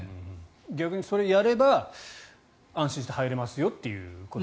逆にそれをやれば安心しては入れますよと。